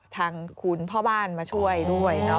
ทางคุณพ่อบ้านมาช่วยด้วย